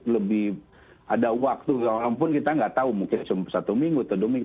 lebih ada waktu walaupun kita nggak tahu mungkin cuma satu minggu atau dua minggu